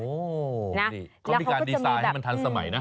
นี่เขามีการดีไซน์ให้มันทันสมัยนะ